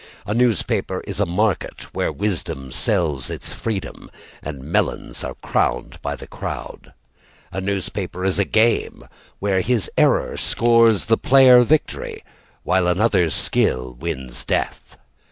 A newspaper is a market Where wisdom sells its freedom And melons are crowned by the crowd. A newspaper is a game Where his error scores the player victory While another's skill wins death.